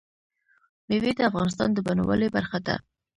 مېوې د افغانستان د بڼوالۍ برخه ده.